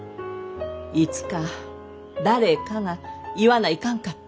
いつか誰かが言わないかんかった。